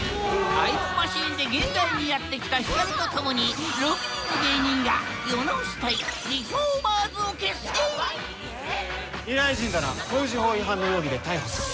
タイムマシンで現代にやって来たヒカルと共に６人の芸人が未来人だな航時法違反の容疑で逮捕する。